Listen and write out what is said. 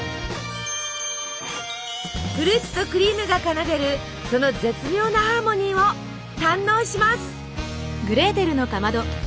フルーツとクリームが奏でるその絶妙なハーモニーを堪能します。